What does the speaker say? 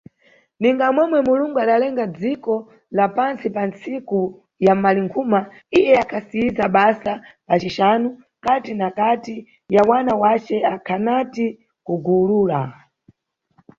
Ninga momwe Mulungu adalenga dziko la pantsi pa nntsiku ya Malinkhuma, iye akhasiyiza basa pa cixanu, kati na kati ya wana wace akhanati kugulula.